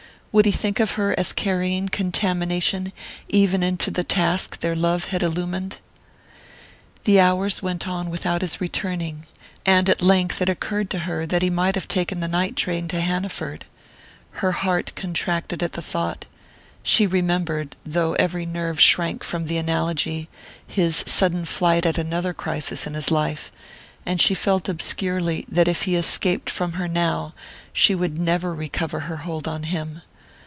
Would he think of her as carrying contamination even into the task their love had illumined? The hours went on without his returning, and at length it occurred to her that he might have taken the night train to Hanaford. Her heart contracted at the thought: she remembered though every nerve shrank from the analogy his sudden flight at another crisis in his life, and she felt obscurely that if he escaped from her now she would never recover her hold on him.